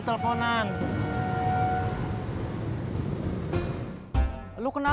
tapi kalau cakep ini